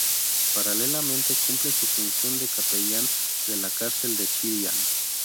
Paralelamente, cumple su función de capellán de la cárcel de Chillán.